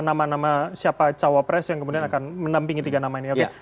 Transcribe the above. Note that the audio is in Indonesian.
nama nama siapa cawapres yang kemudian akan menampingi tiga nama ini oke